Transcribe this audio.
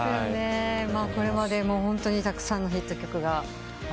これまでホントにたくさんのヒット曲があります。